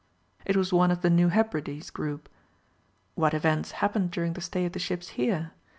It was one of the New Hebrides group. What events happened during the stay of the ships here?